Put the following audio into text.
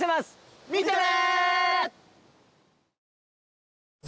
見てね！